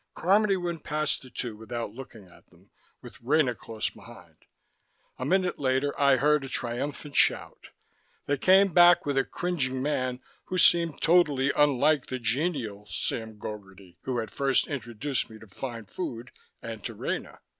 Carmody went past the two without looking at them, with Rena close behind. A minute later, I heard a triumphant shout. They came back with a cringing man who seemed totally unlike the genial Sam Gogarty who had first introduced me to fine food and to Rena.